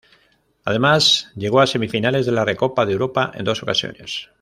Además llegó a semifinales de la Recopa de Europa en dos ocasiones.